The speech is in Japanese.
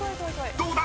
［どうだ⁉］